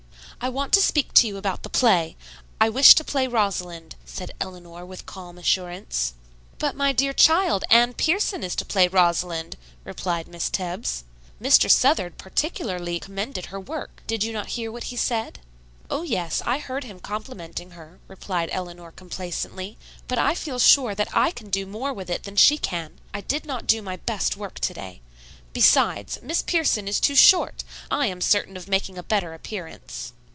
"I want to speak to you about the play. I wish to play Rosalind," said Eleanor with calm assurance. "But, my dear child, Anne Pierson is to play Rosalind," replied Miss Tebbs. "Mr. Southard particularly commended her work. Did you not hear what he said?" "Oh, yes; I heard him complimenting her," replied Eleanor complacently, "but I feel sure that I can do more with it than she can. I did not do my best work to day. Besides, Miss Pierson is too short. I am certain of making a better appearance."